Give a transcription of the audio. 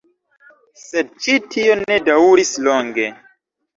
Sed ĉi tio ne daŭris longe.